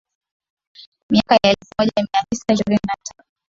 miaka ya elfumoja miatisa ishirini na tano